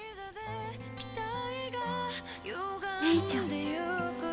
・玲ちゃん。